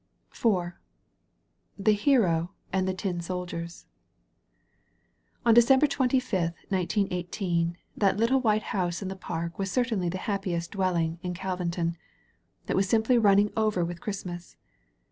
230 THE HERO AND TIN SOLDIERS On December twenty fifth, 1918, that little white house in the park was certainly the happiest dwel ling in Calvinton. It was simply running over with Christmas.